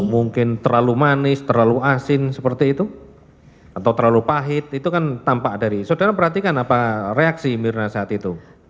mungkin terlalu manis terlalu asin seperti itu atau terlalu pahit itu kan tampak dari saudara perhatikan apa reaksi mirna saat itu